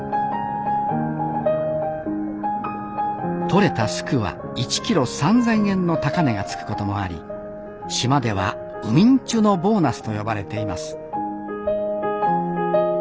取れたスクは１キロ３，０００円の高値がつくこともあり島では「海人のボーナス」と呼ばれています